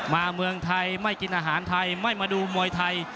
เมืองไทยไม่กินอาหารไทยไม่มาดูมวยไทย